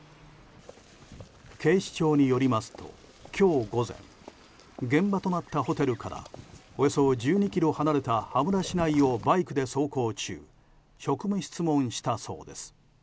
警視庁によりますと今日午前現場となったホテルからおよそ１２ｋｍ離れた羽村市内をバイクで走行中職務質問したそうです。